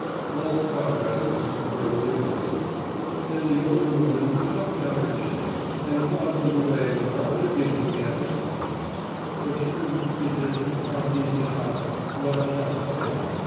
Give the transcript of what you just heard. All progress was temporarily arrested; then the older woman puffed out her chest and waddled away with all the dignity at her summons. But she could not resist the Parthian shot what Celt can!